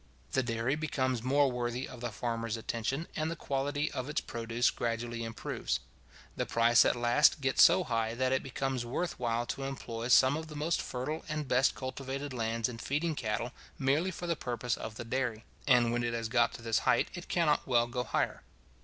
The dairy becomes more worthy of the farmer's attention, and the quality of its produce gradually improves. The price at last gets so high, that it becomes worth while to employ some of the most fertile and best cultivated lands in feeding cattle merely for the purpose of the dairy; and when it has got to this height, it cannot well go higher.